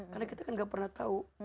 karena kita kan gak pernah tahu